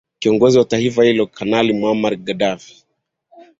kiongozi wa taifa hilo kanali muhamar gadaffi